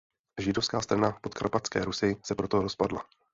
Židovská strana Podkarpatské Rusi se proto rozpadla.